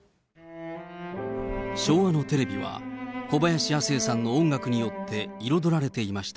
昭和のテレビは小林亜星さんの音楽によって彩られていました。